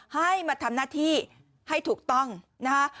ให้มาทำหน้าที่ให้ถูกต้องนะคะ